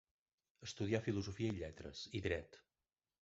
Estudià Filosofia i Lletres, i Dret.